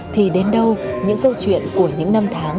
thì đến đâu những câu chuyện của những năm tháng